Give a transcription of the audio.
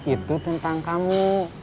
itu tentang kamu